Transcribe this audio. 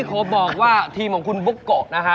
โคนโฟบอกว่าทีมของคุณบุคโก่นะคะ